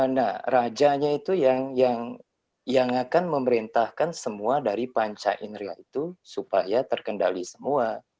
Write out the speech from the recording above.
nah rajanya itu yang akan memerintahkan semua dari panca indera itu supaya terkendali semua